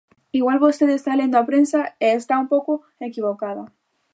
Igual vostede está lendo a prensa e está un pouco equivocada.